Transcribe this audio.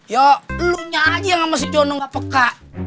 ya lunya aja sama si jono pak peka